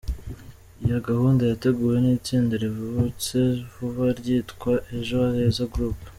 Iyi gahunda yateguwe n’itsinda rivutse vuba ryitwa “ Ejo Heza Group’.